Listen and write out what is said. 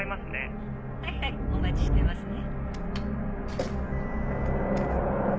☎はいはいお待ちしてますね